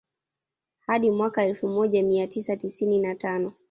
Hadi mwaka elfu moja mia tisa tisini na Tano